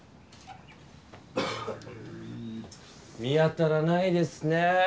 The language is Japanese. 見当たらないですね。